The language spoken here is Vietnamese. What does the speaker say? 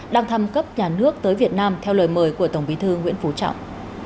đang thăm cấp nhà nước tới việt nam theo lời mời của tổng bí thư nguyễn phú trọng